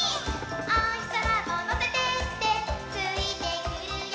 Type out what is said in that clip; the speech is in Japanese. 「おひさまものせてってついてくるよ」